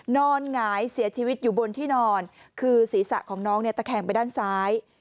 หงายเสียชีวิตอยู่บนที่นอนคือศีรษะของน้องเนี่ยตะแคงไปด้านซ้าย